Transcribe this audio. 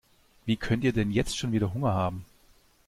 Wie könnt ihr denn jetzt schon wieder Hunger haben?